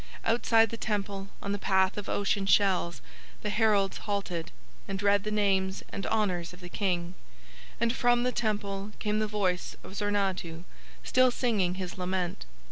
Outside the Temple on the path of ocean shells the heralds halted, and read the names and honours of the King; and from the Temple came the voice of Zornadhu still singing his lament.